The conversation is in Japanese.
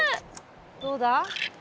どうだ？